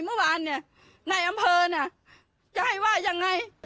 เมื่อวานเนี่ยในอำเภอน่ะจะให้ว่ายังไง